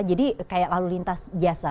jadi kayak lalu lintas biasa